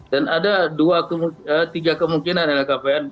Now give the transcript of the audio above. dan ada dua tiga kemungkinan lkpn